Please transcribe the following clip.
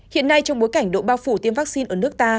hiện nay trong bối cảnh độ bao phủ tiêm vaccine ở nước ta